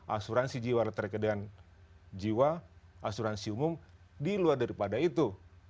asuransi jiwa terkait dengan jiwa asuransi umum di luar daripada itu